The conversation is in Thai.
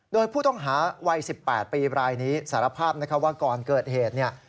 โดยผู้ต้องหาวัย๑๘ปีรายนี้สารภาพกรเกิดเหตุ